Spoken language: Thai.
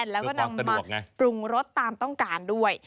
แล้วก็นำมาปรุงรสตามต้องการด้วย